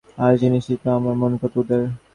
আর জানিসই তো আমার মন কত উদার।